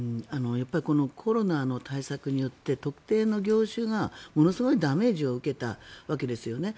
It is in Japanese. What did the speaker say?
コロナの対策によって特定の業種がものすごいダメージを受けたわけですよね。